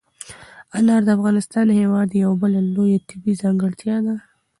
انار د افغانستان هېواد یوه بله لویه طبیعي ځانګړتیا ده.